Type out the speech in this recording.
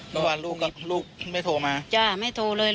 ทุกวันลูกไม่โทรมา